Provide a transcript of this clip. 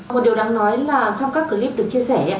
một điều đáng nói là trong các clip được chia sẻ